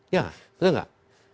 ya bener nggak